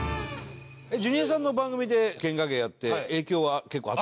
ジュニアさんの番組でケンカ芸やって影響は結構あった？